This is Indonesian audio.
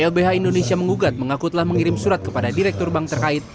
ilbh indonesia mengugat mengakutlah mengirim surat kepada direktur bank terkait